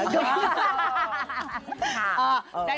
ดู